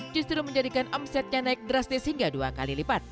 justru menjadikan omsetnya naik drastis hingga dua kali lipat